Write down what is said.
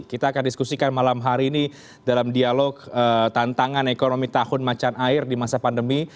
kita akan diskusikan malam hari ini dalam dialog tantangan ekonomi tahun macan air di masa pandemi